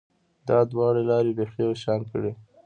دا دواړې لارې بیخي یو شان کړې